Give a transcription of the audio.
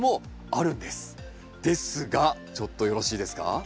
ですがちょっとよろしいですか？